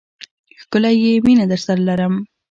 ښکلی یې، مینه درسره لرم